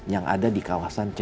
yang ada di kawasan c